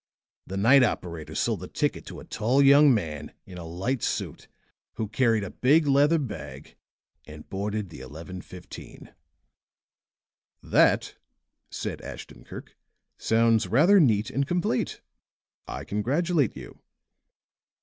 The night operator sold a ticket to a tall young man, in a light suit, who carried a big leather bag, and boarded the 11:15." "That," said Ashton Kirk, "sounds rather neat and complete. I congratulate you."